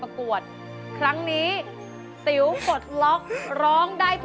ฟังต่อไป